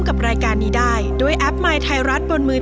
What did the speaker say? โหลดสินะ